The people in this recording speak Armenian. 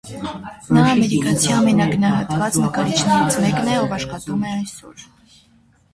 Նա ամերիկացի ամենագնահատված նկարիչներից մեկն է, ով աշխատում է ցայսօր։